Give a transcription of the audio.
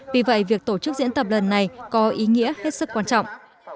vì vậy việc tổ chức diễn tập lần này có ý nghĩa hết sức quan trọng